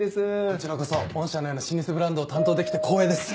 こちらこそ御社のような老舗ブランドを担当できて光栄です。